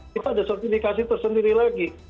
kita ada sertifikasi tersendiri lagi